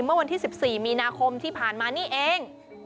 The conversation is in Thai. เมื่อวันที่๑๔มีนาคมที่ผ่านมานี่เอง